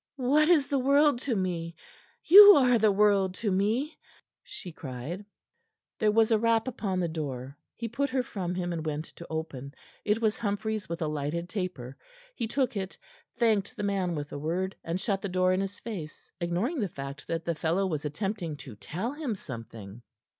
"What is the world to me? You are the world to me," she cried. There was a rap upon the door. He put her from him, and went to open. It was Humphries with a lighted taper. He took it, thanked the man with a word, and shut the door in his face, ignoring the fact that the fellow was attempting to tell him something.